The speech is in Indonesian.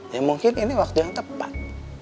ya mungkin ini waktu yang tepat